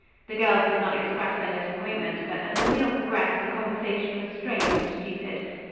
The girls did not express their disappointment, but as the meal progressed the conversation was strained and stupid.